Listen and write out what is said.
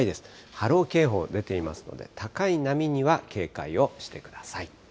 波浪警報出ていますので、高い波には警戒をしてください。